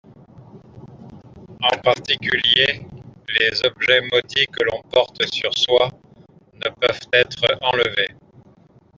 En particulier, les objets maudits que l'on porte sur soi ne peuvent être enlevés.